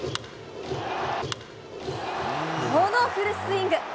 このフルスイング！